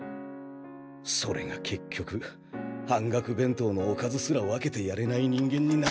それが結局半額弁当のおかずすら分けてやれない人間になったのか。